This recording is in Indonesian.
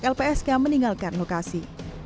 lpsk meninggalkan lokasi